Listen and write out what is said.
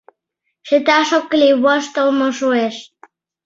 Чыташ ок лий воштылмо шуэш.